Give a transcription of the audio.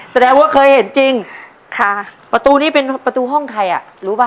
แสดงว่าเคยเห็นจริงค่ะประตูนี้เป็นประตูห้องใครอ่ะรู้ป่ะ